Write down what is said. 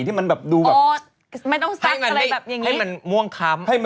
ให้มันดูแบบดูแบบ